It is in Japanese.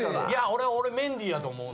俺メンディーやと思うなぁ。